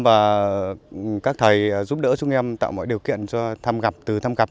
và các thầy giúp đỡ chúng em tạo mọi điều kiện cho thăm gặp